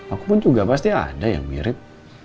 aku pun juga pasti ada yang mirip